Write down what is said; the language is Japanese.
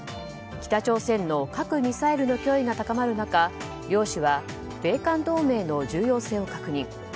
北朝鮮の核・ミサイルの脅威が高まる中両氏は米韓同盟の重要性を確認。